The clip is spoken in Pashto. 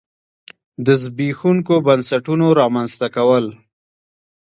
د زبېښونکو بنسټونو رامنځته کول.